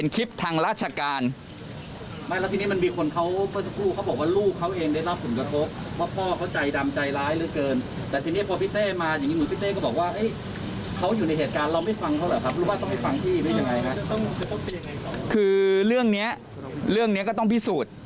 คือเรื่องนี้เรื่องนี้ก็ต้องพิสูจน์